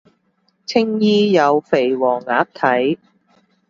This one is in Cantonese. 青衣有肥黃鴨睇